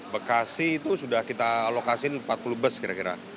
bekasi itu sudah kita alokasi empat puluh bus kira kira